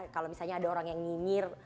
kalau misalnya ada orang yang nyinyir